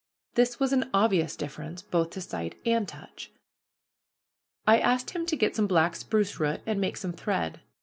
This was an obvious difference, both to sight and touch. I asked him to get some black spruce root and make some thread.